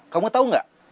kamu tau gak